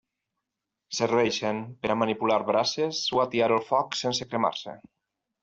Serveixen per a manipular brases o atiar el foc sense cremar-se.